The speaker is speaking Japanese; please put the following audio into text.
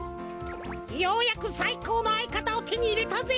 ようやくさいこうのあいかたをてにいれたぜ！